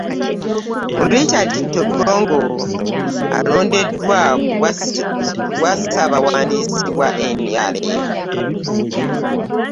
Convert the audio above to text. Richard Todwong alondeddwa ku bwa ssaabawandiisi bwa NRM.